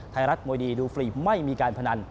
ไทยรัฐมวยดีดูฟรีไม่มีการพนัน